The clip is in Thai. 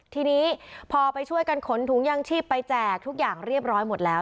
ทีนี้พอไปช่วยกันขนถุงยางชีพไปแจกทุกอย่างเรียบร้อยหมดแล้ว